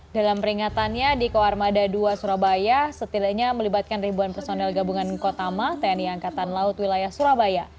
dalam peringatannya di koarmada dua surabaya setidaknya melibatkan ribuan personel gabungan kotama tni angkatan laut wilayah surabaya